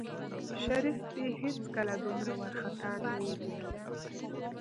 شريف دى هېڅکله دومره وارخطا نه و ليدلى.